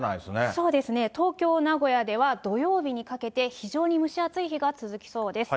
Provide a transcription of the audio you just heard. そうですね、東京、名古屋では土曜日にかけて、非常に蒸し暑い日が続きそうです。